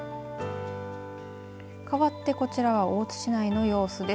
かわってこちらは大津市内の様子です。